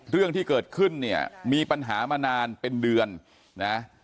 เรื่องที่เกิดขึ้นเนี่ยมีปัญหามานานเป็นเดือนนะ